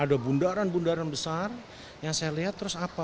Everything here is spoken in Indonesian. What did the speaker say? ada bundaran bundaran besar yang saya lihat terus apa